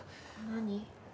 何？